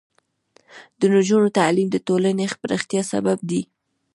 د نجونو تعلیم د ټولنې پراختیا سبب دی.